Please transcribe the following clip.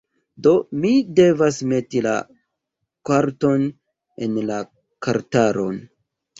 Do, mi devas meti la karton en la kartaron